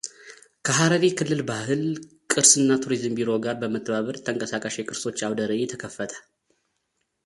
ከሀረሪ ክልል ባህል፣ ቅርስና ቱሪዝም ቢሮ ጋር በመተባበር ተንቀሳቃሽ የቅርሶች አውደርዕይ ተከፈተ።